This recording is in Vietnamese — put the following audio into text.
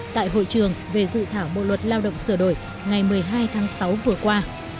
tại hội trường về dự thảo bộ luật lao động sửa đổi ngày một mươi hai tháng sáu vừa qua